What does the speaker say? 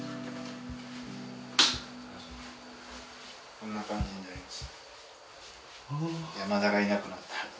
こんな感じになりましたね。